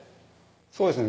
そうですね